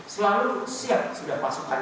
selalu siap sudah pasukan